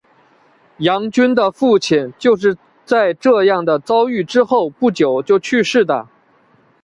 杨君的父亲就是在这样的遭遇之后不久就去世的。